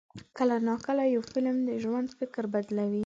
کله ناکله یو فلم د ژوند فکر بدلوي.